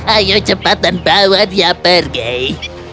ayo cepat dan bawa dia pergi